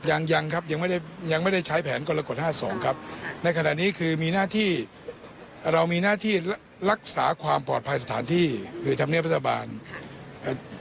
ยังยังครับยังไม่ได้ยังไม่ได้ใช้แผนกรกฎห้าสองครับในขณะนี้คือมีหน้าที่เรามีหน้าที่รักษาความปลอดภัยสถานที่คือธรรมเนียบรัฐบาลเอ่อ